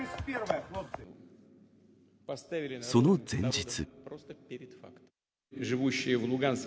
その前日。